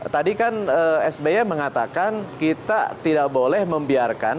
tadi kan sby mengatakan kita tidak boleh membiarkan